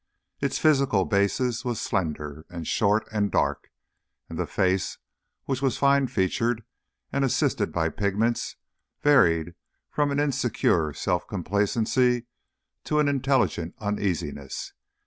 Its physical basis was slender, and short, and dark; and the face, which was fine featured and assisted by pigments, varied from an insecure self complacency to an intelligent uneasiness.